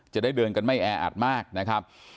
จะได้เดินกันไม่แออัดมากนะครับ